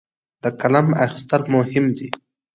د قلم اخیستل مهم دي.